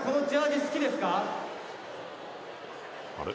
あれ？